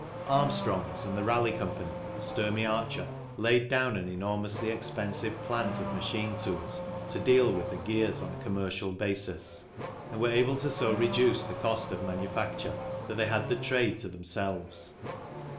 Armstrong's and the Raleigh Co. (Sturmey Archer) laid down an enormously expensive plant of machine tools to deal with the gears on a commercial basis, and were able to so reduce the cost of manufacture that they had the trade to themselves.